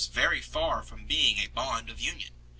very far from being a bond of union.